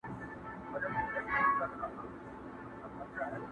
هر ګستاخ چي په ګستاخ نظر در ګوري,